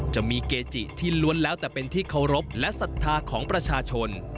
จะมีเกจิที่ล้วนแล้วแต่เป็นที่เคารพและศรัทธาของประชาชน